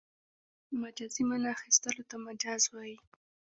مجازي مانا اخستلو ته مجاز وايي.